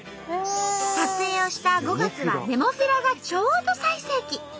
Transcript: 撮影をした５月はネモフィラがちょうど最盛期。